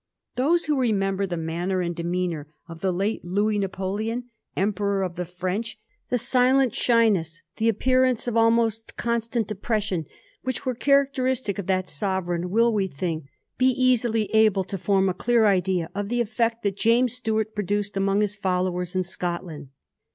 Those who remember the manner and demeanour of the late Louis Napoleon, Emperor of the French, the silent shyness, the appearance of almost constant depression, which were characteristic of that sovereign, will, we think, be easily able to form a clear idea of the effect that James Stuart produced among his followers in Scotland.